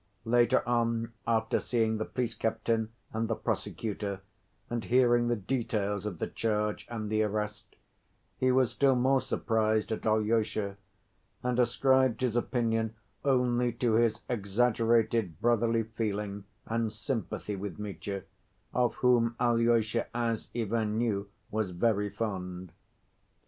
Later on, after seeing the police captain and the prosecutor, and hearing the details of the charge and the arrest, he was still more surprised at Alyosha, and ascribed his opinion only to his exaggerated brotherly feeling and sympathy with Mitya, of whom Alyosha, as Ivan knew, was very fond.